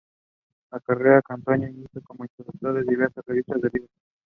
Verret hence obtained an internship in the Office of the City Administrative Officer.